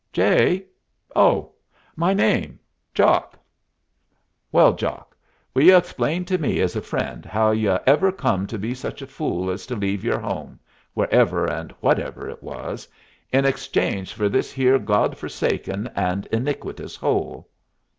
"J? Oh, my name! Jock." "Well, Jock, will y'u explain to me as a friend how y'u ever come to be such a fool as to leave yer home wherever and whatever it was in exchange for this here God forsaken and iniquitous hole?"